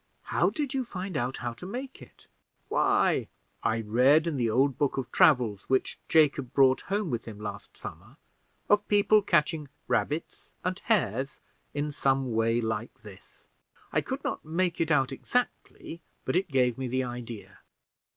"How did you find out how to make it?" "Why, I read in the old book of travels which Jacob brought home with him last summer, of people catching rabbits and hares in some way like this; I could not make it out exactly, but it gave me the idea."